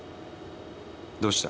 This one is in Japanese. どうした？